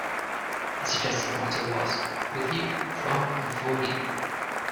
The suggested motto was: "With you, from and for you".